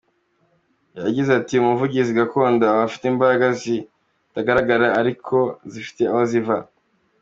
Yagize ati “Umuvuzi gakondo aba afite imbaraga zitagaragara, ariko zifite aho ziva.